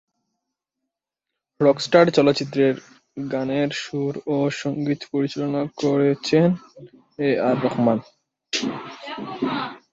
Rockstar চলচ্চিত্রের গানের সুর ও সঙ্গীত পরিচালনা করেছেন এ আর রহমান।